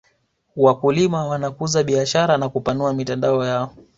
wakulima wanakuza biashara na kupanua mitandao yao